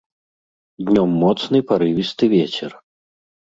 Днём моцны парывісты вецер.